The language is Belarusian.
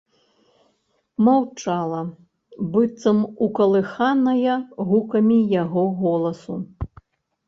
Маўчала, быццам укалыханая гукамі яго голасу.